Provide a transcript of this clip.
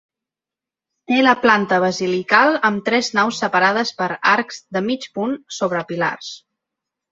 Té la planta basilical amb tres naus separades per arcs de mig punt sobre pilars.